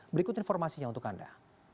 berikut informasinya untuk anda